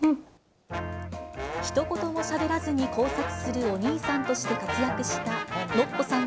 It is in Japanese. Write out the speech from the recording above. ひと言もしゃべらずに工作するお兄さんとして活躍したノッポさん